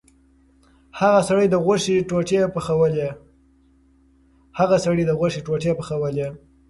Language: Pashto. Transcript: هغه سړي د غوښو ټوټې پخولې.